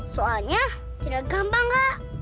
soalnya tidak gampang kak